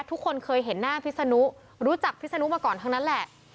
ทุกคนเคยเห็นหน้าพิษนุรู้จักพิศนุมาก่อนทั้งนั้นแหละ